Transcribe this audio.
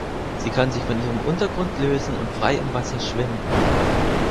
Sie kann sich von ihrem Untergrund lösen und frei im Wasser schwimmen.